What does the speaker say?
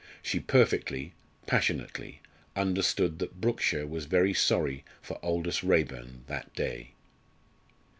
She perfectly passionately understood that Brookshire was very sorry for Aldous Raeburn that day.